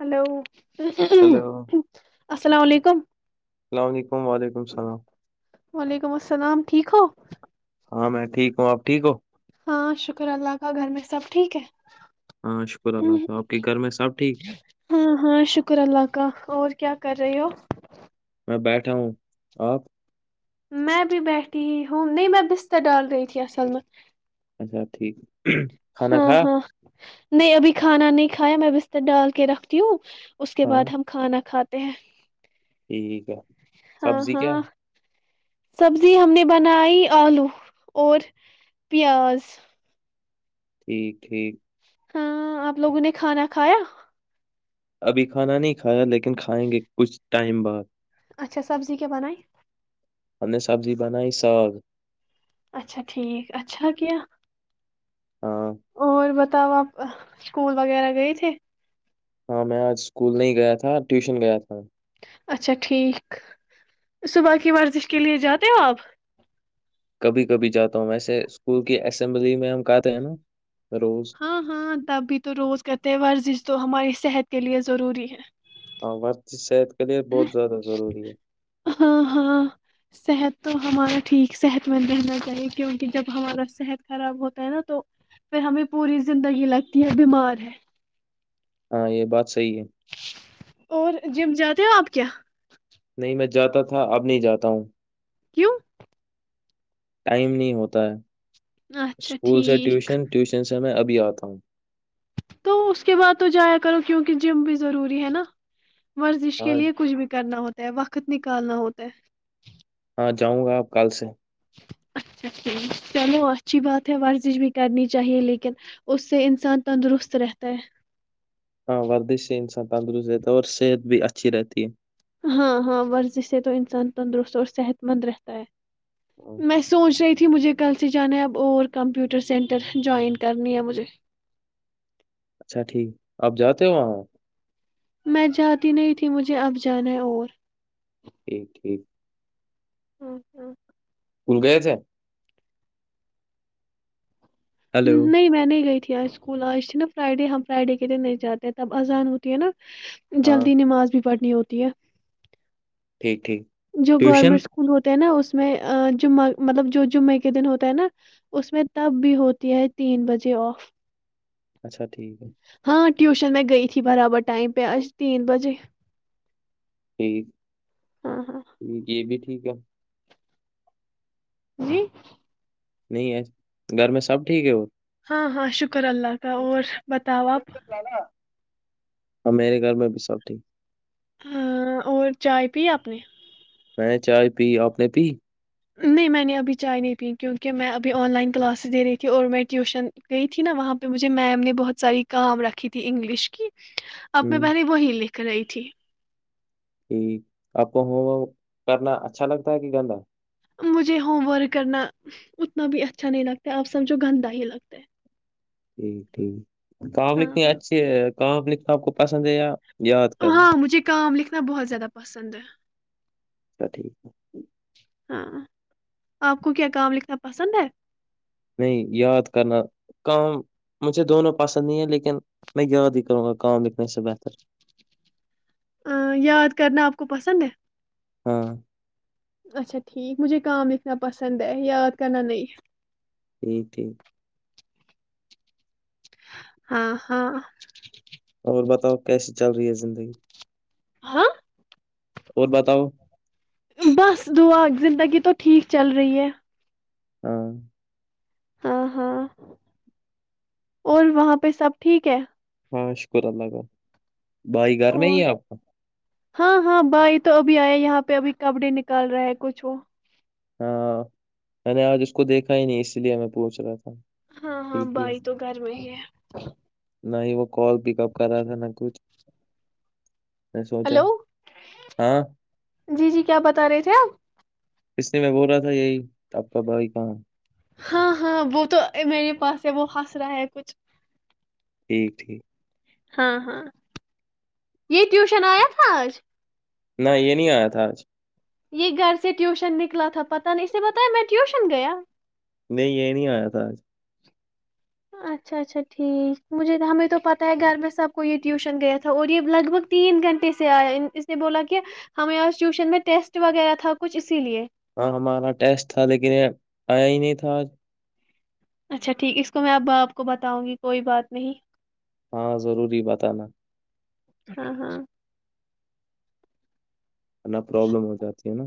hello hello السلام علیکم السلام علیکم وعلیکم السلام وعلیکم السلام ٹھیک ہو ہاں میں ٹھیک ہوں آ ٹھیک ہو ہاں شکر اللہ کا گھر میں سب ٹھیک ہے ہاں شکر اللہ ہ کا آپ کے گھر میں سب ٹھیک ہاں ہاں شکر اللہ کا اور کیا کر رہی ہو میں بیٹھا ہوں آپ میں بھی بیٹھی ہوں نہیں میں بستر ڈال رہی تھی اصل میں اچھا ٹھیک کھانا ہاں کھا ہاں نہیں ابھی کھانا نہیں کھایا میں بستر ڈال کے رکھتی ہوں اس کے ہاں بعد ہم کھانا کھاتے ت ٹھیک ہے سبزی کیا ہاں سبزی ہم نے بنائی آلو اور پیاز ٹھیک ہےیک ہاں آپ لوگوں نے کھانا کھایا ابھی کھانا نہیں کھایا لیکن کھائیں گے کچھ ٹائم بعد اچھا سبزی کیا بنائی ہم نے سبزی بنائی سگ اچھا ٹھیک اچھا کہہ ہاں اور بس تب آپ اسکول وغیرہ گئے تھے ہاں میں آج اسکول نہیں گیا تھا ٹیوشن گیا تھا [unintelligible] اچھا ٹھیک صبح کی ورزش کے لیے جاتے ہو آپ [unintelligible] کبھی کبھی جاتا ہوں ویسے اسکول کی اسمبلی میں ہم کہتے ہیں نا [unintelligible] ہاں ہاں تبھی تو روز کا تہوار جس تو ہمارے [unintelligible] صحت کے لیے ضروری ہے [unintelligible] ہاں وورتی سےید [unintelligible] ہاں ہاں صحت [unintelligible] تو ہمارا ٹھیک صحت مند رہنا چاہیے کیونکہ جب ہمارا صحت خراب ہوتا ہے نا تو پھر ہمیں پوری زندگی لگتی ہے بیمار ہے [unintelligible] ہاں یہ بات صحیح ہے اور جم زیادہ [unintelligible] د آب کیا کیا [unintelligible] نہیں میں جاتا تھا اب نہیں جاتا ہوں [unintelligible] کیوں [unintelligible] ٹائم نہیں ہوتا ہے [unintelligible] اچھا اسکول سے ٹھیک ٹیوشن ٹیوشن سے [unintelligible] میں ابھی آتا ہوں [unintelligible] تو اس کے بعد تو جایا کرو کیونکہ جم بھی ضروری ہے نا [unintelligible] ورزش کے ہاں لیے کچھ بھی کرنا ہوتا ہے وقت [unintelligible] وقت نکالنا ہوتا ہے [unintelligible] اں جاؤں گا آپ کل سے [unintelligible] اچھاھ چلو اچھی بات ہے ورزش بھی کرنی چاہیے لیکن اس سے انسان تندرست رہتا ہے [unintelligible] ہاں وردش سے انسان تندرست رہتا ہے اور صحت بھی اچھی رہتی ہے [unintelligible] ہاں ہاں ورزش سے تو انسان تندرست اور صحت مند رہتا ہے ہاں، [unintelligible] میں سوچ رہی ت [unintelligible] مجھے کل سے جانا ہے اب اور کمپیوٹر سینٹر جوائن کرنی ہے مجھے [unintelligible] اچھا ٹھیک آپ جاتے ہو وہاں [unintelligible] میں جاتی نہیں تھی مجھے اب جانا ہے اور [unintelligible] ٹھیک ٹھیک [unintelligible] ہ ہ [unintelligible] اسکول گئے سے [unintelligible] ہیلو نہیں میں نہیں گئی [unintelligible] ج اسکول آج ت نا فرائیڈے ہم فرائیڈے کے دن نہیں جاتے ہیں تب اذان ہوتی ہے نا [unintelligible] ہاں جلدی نماز بھی [unintelligible] پڑھنی ہوتی ہے [unintelligible] ٹھیک ٹھیک جو ٹیوشن گورنمنٹ اسکول ہوتے ہیں نا اس [unintelligible] اس میں جمعہ مطلب جو جمعے کے دن ہوتا ہے نا اس میں تب بھی ہوتی ہے تین بجے آف [unintelligible] اچھا ٹھیک ہے [unintelligible] [unintelligible] ہاں ٹیوشن میں گئی تھی برابر ائم پہ آج تین بجے [unintelligible] ٹھ [unintelligible] ٹھیک ہاں ہاں ہے یہ بھی ٹھیک ہے جی نہیں ہے گھر میں سب ٹھیک ہے وہ ہاں ہاں شکر شکر اللہ کا اور بتاؤ آپ امیر گر میں بھی سب تھی ہاں اور چائے پی اپنی میں چائے پی آپ نے پی نہیں میں نے ابھی چائے نہیں پی کیونکہ میں ابھی آن لائن کلاسز دے رہی تھی اور میں ٹیوشن گئی تھی نا وہاں پہ مجھے میم نے بہت ساری کام رکھی تھی انگلش کی اپنے ہوں پہری ب ہیلی [unintelligible] کری تھی ج آپ کو ہوم کرنا اچھا لگتا ہے کہ گندا مجھے ہوم ورک کرنا اتنا بھی اچھا نہیں لگتا ہے آپ سمجھو گندا ہی لگتا ہے ٹھیک ٹھیک [unintelligible] کہاںم ہاں لکھنی ہاں اچھی ہے کہ سب کو پسند ہےیا ہاں مجھے کام لکھ اتنا بہت زیادہ پسند ہے ٹھیک ہاں آپ کو کیا کام لکھنا پسند ہے نہیں یاد کرنا کام مجھے دونوں پسند نہیں ہیں لیکن میں یاد ہی کروں گا کام لکھنے سے بہتر یاد کرنا آپ کو پسند ہے ہاں اچھا ٹھیک مجھے کام لکھنا پسند ہے یاد کرنا نہیں ٹھیک ٹھیک [unintelligible] ہاں ہاں اور بتاؤ کیسی چل رہی ہے زندگی ہاں اور بتاؤ بس دعا زندگی تو ٹھیک چل رہی ہے ہاں ہاں ہاں اور وہاں پہ سب ٹھیک ہے ہاں شکر اللہالی بھائی گھر میں ہی اور ہے آپ کا ہاں ہاں بھائی تو ابھی آیا یہاں پہ ابھی کپڈی نکال رہا ہے کچھ وہ ہاں میں نے آج اس کو دیکھا ہی نہیں اس لیے میں پوچھ رہا تھا ہاں ہاں ٹھیک ہے بھائی تو گھر میں ہی ہے نہ ہی وہ کال پک اپ کر رہا تھا نہ کچھ میں سوچا ہلو ہاں جی جی کیا بتا رہے تھے آپ کچھ نہیں میں بول رہا تھا یہی تو آپ کا بھائی کہاں ہے ہاں ہاں وہ تو میرے پاس ہے وہ ہس رہا ہے کچھ ٹھیک ٹھیک ہاں ہاں یہ ٹیوشن آیات تھا آج نہ یہ نہیں آیا تھا آج یہ گھر سے ٹیوشن نکلا تھا پتہ نہیں اسے بتایا میں ٹیوشن گیا نہیں یہ نہیں آیا تھا آج اچھا اچھا ٹھیک مجھے ہمیں تو پتہ ہے گھر میں سب کو یہ ٹیوشن گیا تھا اور یہ لگ بھگ تین گھنٹے سے آیا اس نے بولا کہ ہمیں آ ٹیوشن میں ٹیسٹ وغیرہ تھا کچھ اسی لیے ہاں ہمارا ٹیسٹ تھا لیکن یہ آیا ہی نہیں تھا آج اچھا ٹھیک اس کو میں اب باپ کو بتاؤں گی کوئی بات نہیں ہاں ضروری بتانا ہاں ہاں نہ پروابلم ہو جاتی ہے نا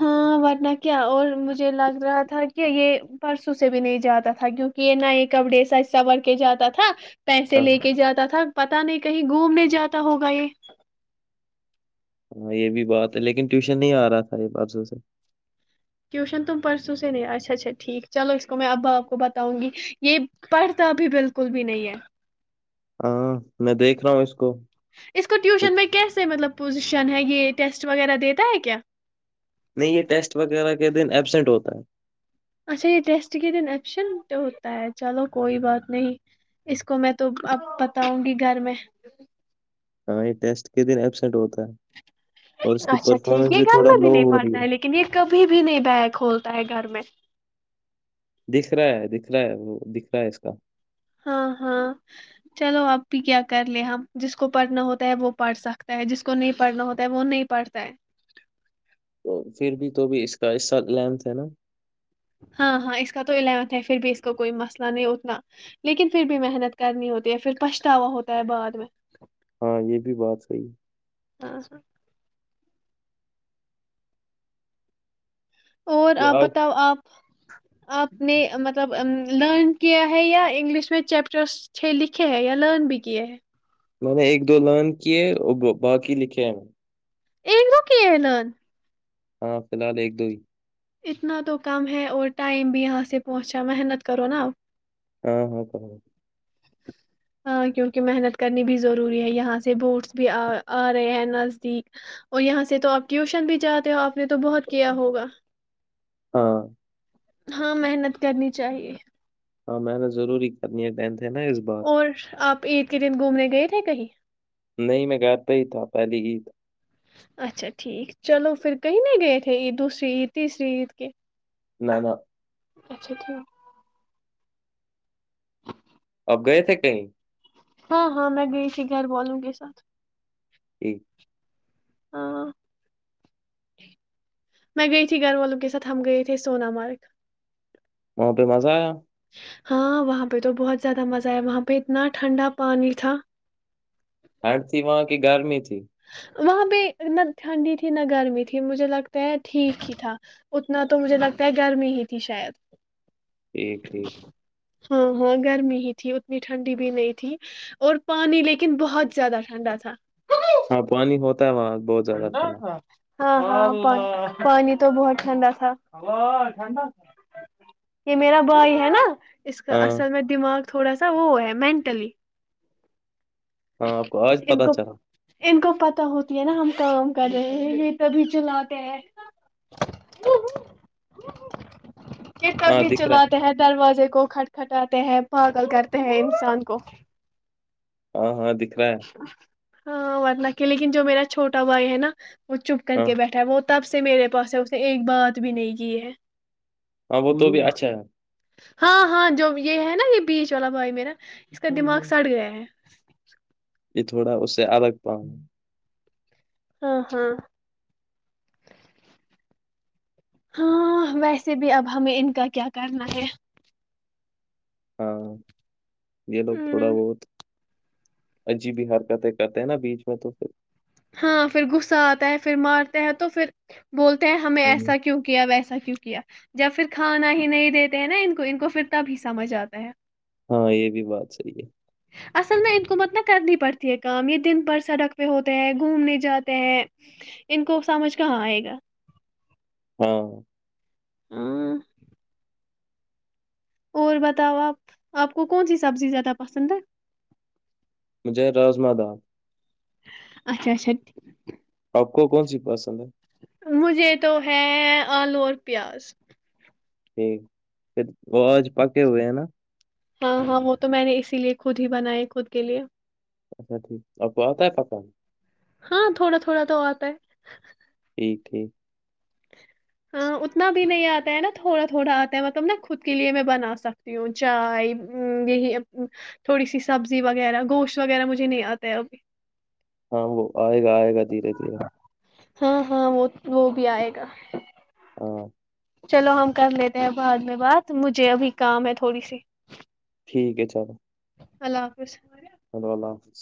ہاں ورنہ کیا اور مجھے لگ رہا تھا کہ یہ پرسوں سے بھی نہیں جاتا تھا کیونکہ یہ نہ یہ کپڑی سج سور کے جاتا تھا پیسے ہاں لے کے جاتا تھا پتا نہیں کہیں گھومنے جاتا ہوگا یہ ہاں یہ بھی بات ہے لیکن ٹیوشن نہیں آ رہا تھا یہ پرسوں سے ٹیوشن تم پرسو سے نہیں اچھا اچھا ٹھیک چلو اس کو میں اب آپ کو بتاؤں گی یہ پڑھتا بھی بلکل بھی نہیں ہے ہاں میں دیکھ رہا ہوں اس کو اس کو ٹیوشن کچھ میں کیسے مطلب پوزیش ن ہے یہ ٹیسٹ وغیرہ دیتا ہے کیا نہیں یہ ٹیسٹ وغیرہ کے دن ایبسنٹ ہوتا ہے اچھا یہ ٹیسٹ کے دن ایبشنٹ ہوتا ہے چلو کوئی بات نہیں اس کو میں تو اب بتاؤں گی گھر میں ہاں یہ ٹیسٹ کے دن ایبسینٹ ہوتا ہے اور اس کی اچھا ٹھیک پرفارمنس یہ گھر تھوڑا میں بھی لو نہیں ہو رہی پڑھتا ہے لیکن یہ کبھی بھی نہیں بیگ کھولتا ہے گھر میں دکھ رہا ہے دکھ رہا ہے وہ دکھ رہا ہے اس کا ہاں ہاں چلو اب بھی کیا کر لے ہم جس کو پڑھنا ہوتا ہے وہ پڑھ سکتا ہے جس کو نہیں پڑھنا ہوتا ہے وہ نہیں پڑھتا ہے تو پھر بھی تو بھی اس کا اس سال الیونتھ ہے نہ ہاں ہاں اس کا تو الیونتھ ہے پھر بھی اس کا کوئی مسئلہ نہیں اتنا لیکن پھر بھی محنت کرنی ہوتی ہے پھر پچھتاوا ہوتا ہے بعد میں ہاں یہ بھی بات صحیح ہے [inaudible] اور یہ آپ آج بتاؤ آپ آپ نے مطلب لرن کیا ہے یا انگلش میں چیپٹرس لکھے ہیں یا لرن بھی کیے ہیں میں نے ایک دو لرن کیے اور باقی لکھے ہیں ایک دو کیے ہے لرن ہاں فلہال ایک دو ہی اتنا تو کم ہے اور ٹائم بھی یہاں سے پہنچا محنت کرو نہ ہاں ہاں کر ہاں کیونکہ محنت کرنی بھی ضروری ہے یہاں سے بورڈس بھی آ رہے ہیں نزدیک اور یہاں سے تو آپ ٹیوشن بھی جاتے ہو آپ نے تو بہت کیا ہوگا ہاں ہاں محنت کرنی چاہیے ہاں محنت ضرور ہی کرنی ہے ٹینتھ ہے نہ اس بار اور آپ عید کے دن گھومنے گئے تھے کہیں نہیں میں گھر پے ہی تھا پہلی عید اچھا ٹھیک چلو پھر کہیں نہی گئے تھے عید دوسری عید تیسری عید کے نہ نہ اچھا ٹھیک ہے اب گئے تھے کہیں ہاں ہاں میں گئی تھی گھر والوں کے ساتھ ایک ہاں جی میں گئی تھی گھر والوں کے ساتھ ہم گئے تے سونامارگ وہاں پہ مزہ آیا ہاں وہاں پہ تو بہت زیادہ مزہ آیا وہاں پہ اتنا ٹھنڈا پانی تھا تھنڈ تھی وہاں کی گرمی تھی وہاں پہ نہ ٹھنڈی تھی نہ گرمی تھی مجھے لگتا ہے ٹھیک ہی تھا اتنا تو مجھے لگتا ہے گرمی ہی تھی شاید ٹھیک ٹھیک [inaudible] ہاں ہاں گرمی ہی تھی اتنی ٹھنڈی بھی نہیں تھی اور پانی لیکن بہت زیادہ ٹھنڈا تھا وانی ہو وہاں بہت زیادہ ٹھنڈا ٹنڈا تھا، ہاں ہاں پانی تو بہت ٹھنڈا تھا یہ میرا بھائی ہے نا اس کا ہاں اصل میں دماغ تھوڑا سا وہ ہے مینٹلی ہاں آپ کو آج پت ان کو چلا ان کو پتتا ہوتی ہے نا ہمیں کام کرے یہ تبھی چلاتے ہیں یہ کب ہاں بھی دکھ رہا چلاتے ہیں دروازے کو کھٹ کٹاتے ہیں پاگل کرتے ہیں انسان کو ہاں ہاں دیک اچ [inaudible] ہاں ورنہ کی لیکن جو میرا چھوٹا بھائی ہے نا وہ چپ کر ہاں کے بیٹھا ہے وہ تب سے میرے پاس ہے اس نے ایک بات بھی نہیں کی ہے ہاں وہ تو بھی اچھا ہے ہاں ہاں جو یہ ہے نا یہ بیچ والا بھائی میرا اس کا دماغ سڑ گیا ہے یہ تھوڑا اسے الگ پاؤں ہاں ہاں ہاں ویسے بھی اب ہمیں ان کا کیا کرنا ہے ہاں یہ لوگ تھوڑا ہمم بہت اجی بھی حرکاتیں کہتے ہیں نا بیچ میں تو پھر ہاں پھر غصہ آتا ہے پھر مارتا ہیں تو پھر بولتے ہیں ہمیں ہوں، ایسا کیوں کیا اب ایسا کی کیا جب پھر کھانا ہی نہیں دیتے ہیں نا ان کو ان کو پھر تب ہی سمجھ آتا ہے ہاں یہ بھی بات صحی ہے اصل میں ان کو متل کرنی پڑتی ہے کام یہ دن ب سڑک پہ ہوتے ہیں گھومنے جاتے ہیں ان کو سمجھ کہاں آئے گا ہاں ہاں اور بتاؤ آپ آپ کو کون سی سبزی زیادہ پسند ہے مجھے رازمہ داں اچھا اچھا آپ کو کون سی پسند ہے مجھے تو ہے آلو اور پیاز ٹھیک پھر آج پکے ہوئے ہے نا ہاں ہاں وہ تو میں نے اسی لیے خود ہی بنائے خود کے لیے اچھا ٹھیک اپہت ہے پپا ہاں تھوڑا تھوڑا تو آتا ہے ٹھیک ہے ہاں اتنا بھی نہیں ار تا ہے نا تھوڑا تھوڑا آتا ہے مطلب نا خود کے لیے میں بنا سکتی ہوں چائے یہی تھوڑی سی سبزی وغیرہ گوشت وغیرہ مجھے نہیں آتا ہے ابھی ہاں وہ آئے گا آئے گا دھیرے دھیرے ہاں ہاں وہ وہ بھی آئے گا ہاں چلو ہم کر لیتے ہیں بعد میں بات مجھے ابھی کام ہے تھوڑی سی ٹھیک ہے چلو اللہ حافظ چلو اللہ حافظ